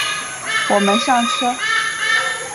我们上车